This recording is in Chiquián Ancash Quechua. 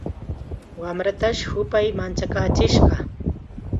Wamratash hupay manchakaachishqa.